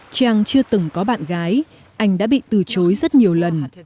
trang chưa từng có bạn gái anh đã bị từ chối rất nhiều lần